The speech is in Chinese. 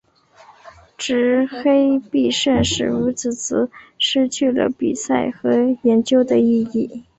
执黑必胜使五子棋失去了比赛和研究的意义。